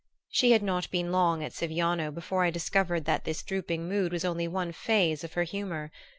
She had not been long at Siviano before I discovered that this drooping mood was only one phase of her humor.